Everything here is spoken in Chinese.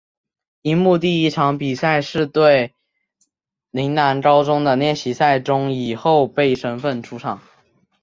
樱木第一场比赛是对陵南高中的练习赛中以后备身份出场。